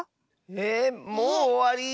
えもうおわり？